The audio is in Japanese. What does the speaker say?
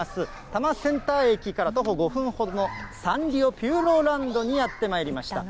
多摩センター駅から徒歩５分ほどのサンリオピューロランドにやってまいりました。